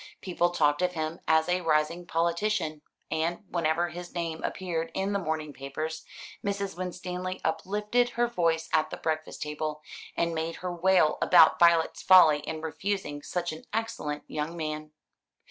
People talked of him as a rising politician; and, whenever his name appeared in the morning papers, Mrs. Winstanley uplifted her voice at the breakfast table, and made her wail about Violet's folly in refusing such an excellent young man.